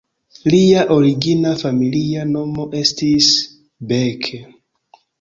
Lia origina familia nomo estis "Beck".